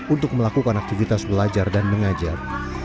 untuk melakukan aktivitas belajar dan mengajar